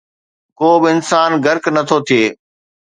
ڪو به انسان غرق نٿو ٿئي